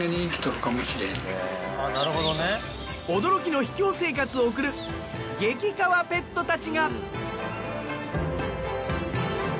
驚きの秘境生活を送る激かわペットたちが。